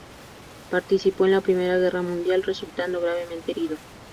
Participó en la Primera Guerra Mundial, resultando gravemente herido.